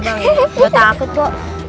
gak takut kok